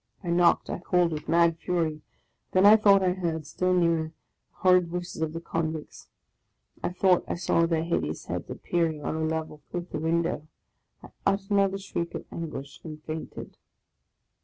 I knocked, I called with mad fury. Then I thought I heard, still nearer, the horrid voices of the convicts. I thought I saw their hid eous heads appearing on a level with the window; I uttered another shriek of anguish, and fainted.